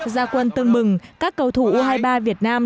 gia quân tưng bừng các cầu thủ u hai mươi ba việt nam